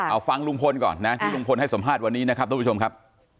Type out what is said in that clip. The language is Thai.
เอาฟังลุงพลก่อนนะที่ลุงพลให้สัมภาษณ์วันนี้นะครับทุกผู้ชมครับ